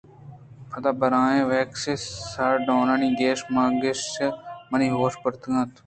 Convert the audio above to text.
پدا برن ویکس ءُسارڈونی ءِ گیش ءُمانگیشاں منی ہوش برتگ اَت